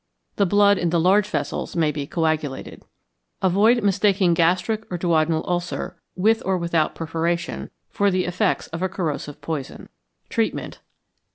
The blood in the large vessels may be coagulated. Avoid mistaking gastric or duodenal ulcer, with or without perforation, for the effects of a corrosive poison. _Treatment.